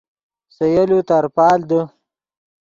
سے یولو ترپال دے